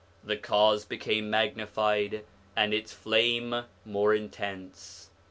The Cause became magnified, and its flame more intense.